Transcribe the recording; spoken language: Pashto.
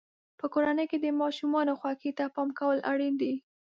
په کورنۍ کې د ماشومانو خوښۍ ته پام کول اړین دي.